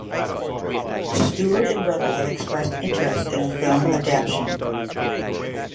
Stewart and Riddell have expressed interest in a film adaptation.